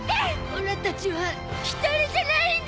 オラたちは一人じゃないんだゾ！